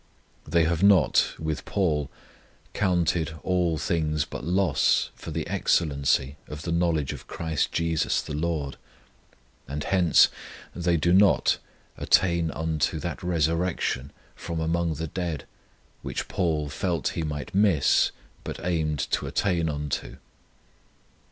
They have not, with Paul, counted "all things but loss for the excellency of the knowledge of CHRIST JESUS the Lord," and hence they do not "attain unto" that resurrection from among the dead, which Paul felt he might miss, but aimed to attain unto.